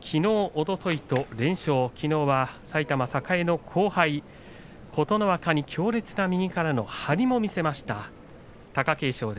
きのうおとといと連勝埼玉栄の後輩、琴ノ若に強烈な右からの張りを見せました貴景勝。